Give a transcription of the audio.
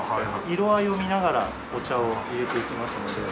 色合いを見ながらお茶を入れていきますので。